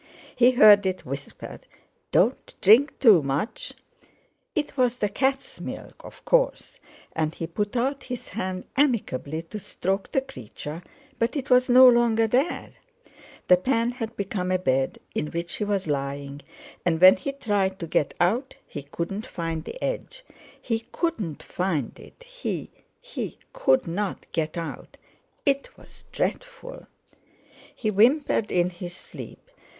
He heard it whisper: "Don't drink too much!" It was the cat's milk, of course, and he put out his hand amicably to stroke the creature; but it was no longer there; the pan had become a bed, in which he was lying, and when he tried to get out he couldn't find the edge; he couldn't find it—he—he—couldn't get out! It was dreadful! He whimpered in his sleep.